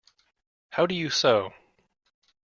How do you sew?